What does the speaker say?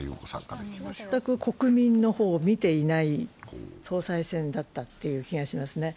全く国民の方を見ていない総裁選だったという気がしますね。